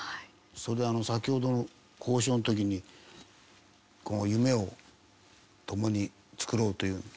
それで先ほどの交渉の時に夢を共に作ろうという。